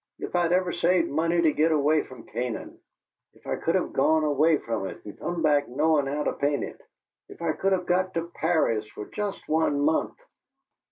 If I'd ever saved money to get away from Canaan if I could have gone away from it and come back knowing how to paint it if I could have got to Paris for just one month!